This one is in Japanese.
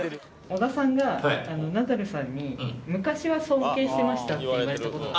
小田さんがナダルさんに「昔は尊敬してました」って言われた事が。